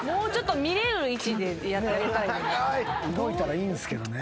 動いたらいいんすけどね。